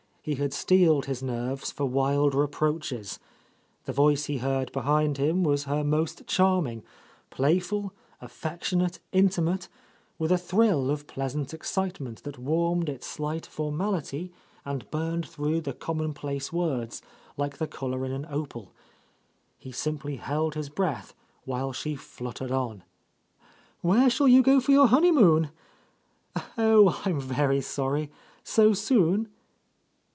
He had steeled his nerves for wild reproaches. The voice he heard behind him was her most charming; playful, affec tionate, intimate, with a thrill of pleasant excite — I. ? 2— A Lost Lady ment that warmed its slight formality and burned through the common place words like the colour in an opal. He simply held his breath while she fluttered on: "Where shall you go for your honeymoon? Oh, I'm very sorry 1 So soon